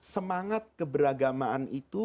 semangat keberagamaan itu